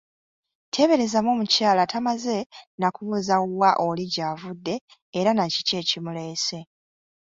Teeberezaamu omukyala tamaze na kubuuza wa oli gy’avudde era na kiki ekimuleese.